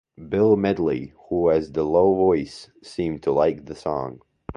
Bill Medley, who has the low voice, seemed to like the song.